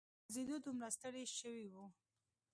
په ګرځېدو دومره ستړي شوي وو.